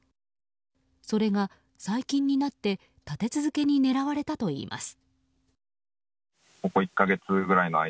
それが、最近になって立て続けに狙われたといいます。